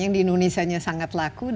yang di indonesia sangat laku